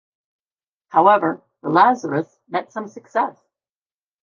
However, the Lazarists met some success.